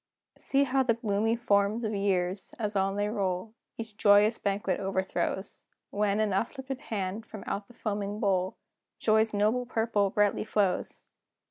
See how the gloomy forms of years, as on they roll, Each joyous banquet overthrows, When, in uplifted hand, from out the foaming bowl, Joy's noble purple brightly flows!